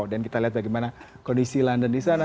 dan kita lihat bagaimana kondisi london di sana